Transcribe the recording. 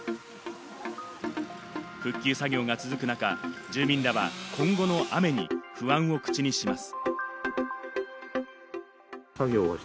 復旧作業が続く中、住民らは今後の雨に不安を口にします。